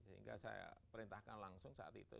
sehingga saya perintahkan langsung saat itu